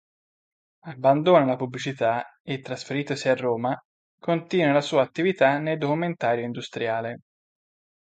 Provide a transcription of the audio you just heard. Abbandona la pubblicità e trasferitosi a Roma continua la sua attività nel documentario industriale.